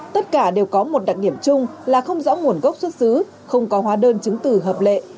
tất cả đều có một đặc điểm chung là không rõ nguồn gốc xuất xứ không có hóa đơn chứng tử hợp lệ